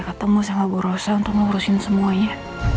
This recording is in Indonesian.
ketemu sama borosa untuk ngurusin semuanya